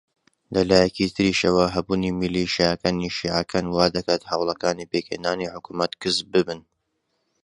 لە لایەکی تریشەوە هەبوونی میلیشیاکانی شیعەکان وا دەکات هەوڵەکانی پێکهێنانی حکوومەت کز ببن